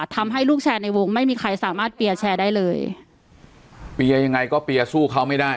ทำให้ลูกแชร์ในวงไม่มีใครสามารถเปียร์แชร์ได้เลยเปียร์ยังไงก็เปียร์สู้เขาไม่ได้